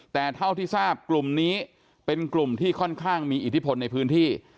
แต่เท่าที่ทราบกลุ่มนี้เป็นกลุ่มที่ค่อนข้างมีอิทธิพลในพื้นที่